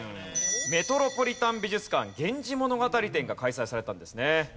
メトロポリタン美術館「源氏物語展」が開催されたんですね。